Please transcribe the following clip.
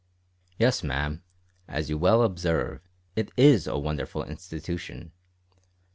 "Yes, ma'am, as you well observe, it is a wonderful institution.